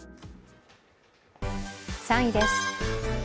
３位です。